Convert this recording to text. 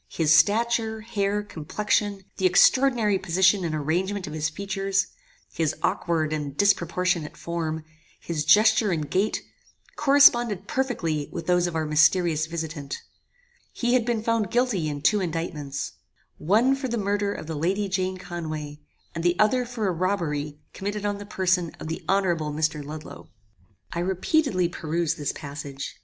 His stature, hair, complexion, the extraordinary position and arrangement of his features, his aukward and disproportionate form, his gesture and gait, corresponded perfectly with those of our mysterious visitant. He had been found guilty in two indictments. One for the murder of the Lady Jane Conway, and the other for a robbery committed on the person of the honorable Mr. Ludloe. "I repeatedly perused this passage.